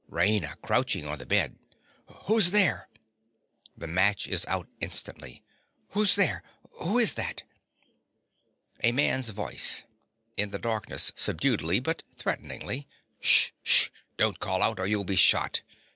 _) RAINA. (crouching on the bed). Who's there? (The match is out instantly.) Who's there? Who is that? A MAN'S VOICE. (in the darkness, subduedly, but threateningly). Sh—sh! Don't call out or you'll be shot.